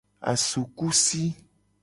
Asukusi.